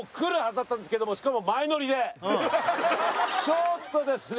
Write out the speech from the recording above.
ちょっとですね